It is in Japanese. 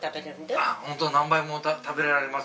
あっホントだ何杯でも食べられます